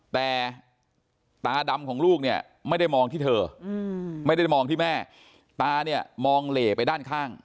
แต่ตาดำของลูกเนี่ยไม่ได้มองที่เธอไม่ได้มองที่แม่ตาเนี่ยมองเหล่ไปด้านข้าง